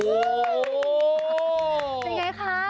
เป็นไงคะ